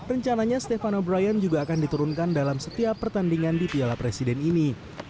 rencananya stefano brian juga akan diturunkan dalam setiap pertandingan di piala presiden ini